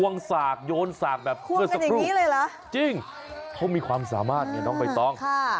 ควงสากโยนสากแบบเมื่อสักครู่จริงเพราะมีความสามารถเนี่ยน้องไปต้อง